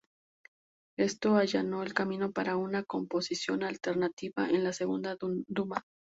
Esto allanó el camino para una composición alternativa en la Segunda Duma.